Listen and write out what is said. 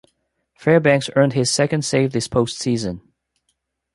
Fairbanks earned his second save this postseason.